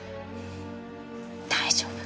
大丈夫。